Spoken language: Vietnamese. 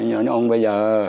như ông bây giờ